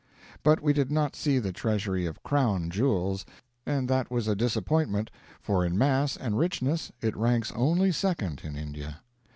But we did not see the treasury of crown jewels, and that was a disappointment, for in mass and richness it ranks only second in India.